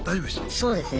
そうですね。